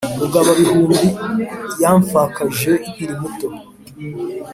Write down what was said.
Rugaba-bihumbi yampfakaje nkiri muto,